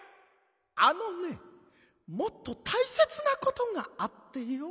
あのねもっとたいせつなことがあってよ。